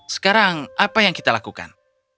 sekarang apa yang kita lakukan